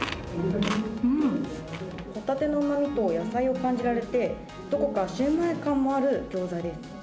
ホタテのうまみと野菜を感じられて、どこかシューマイ感もある餃子です。